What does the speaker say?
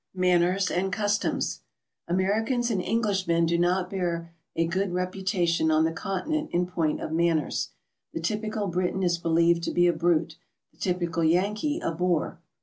MANNERS AND CUSTOMS. Americans and Englishmen do not bear a good reputa tion on the Continent in point of manners. The typical Briton is believed to be a brute, the typical Yankee a boor.